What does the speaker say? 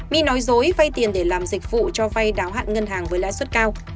my nói dối vay tiền để làm dịch vụ cho vay đáo hạn ngân hàng với lãi suất cao